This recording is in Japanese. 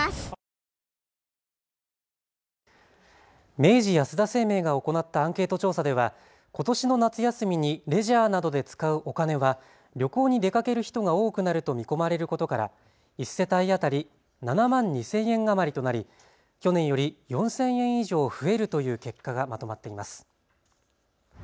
明治安田生命が行ったアンケート調査ではことしの夏休みにレジャーなどで使うお金は旅行に出かける人が多くなると見込まれることから１世帯当たり７万２０００円余りとなり去年より４０００円以上増えるという結果がまとまっています。